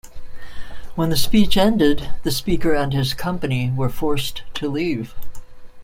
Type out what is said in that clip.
When the speech ended, the Speaker and his company were forced to leave.